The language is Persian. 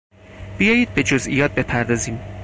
بیایید به جزئیات بپردازیم!